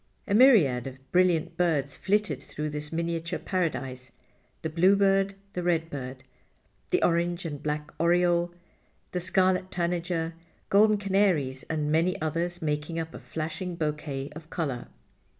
A myriad of brilliant birds flitted through this miniature paradise, the bluebird, the redbird, the orange and black oriole, the scarlet tanager, golden canaries and many others, making up a flashing bouquet of color.